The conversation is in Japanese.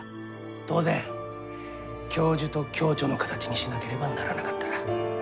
当然教授と共著の形にしなければならなかった。